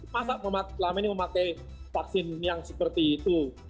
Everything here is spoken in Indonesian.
masa selama ini memakai vaksin yang seperti itu